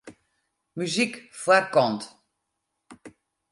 Muzyk foarkant.